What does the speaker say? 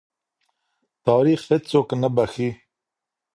تاریخ هېڅوک نه بخښي.